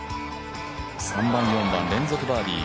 ３番、４番連続バーディー。